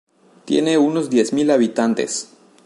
Tiene unos diez mil habitantes.